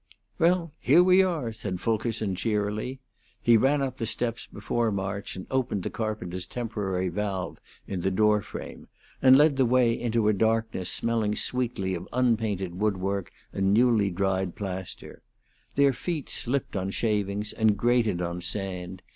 "Well, here we are," said Fulkerson, cheerily. He ran up the steps before March, and opened the carpenter's temporary valve in the door frame, and led the way into a darkness smelling sweetly of unpainted wood work and newly dried plaster; their feet slipped on shavings and grated on sand.